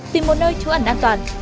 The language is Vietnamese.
tìm một nơi trú ẩn an toàn